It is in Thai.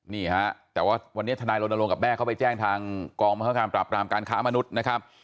นี่ฮะแต่ว่าวันนี้ทนายโรนโลกับแม่เขาไปแจ้งทางกองมหากรามการค้ามนุษย์นะครับ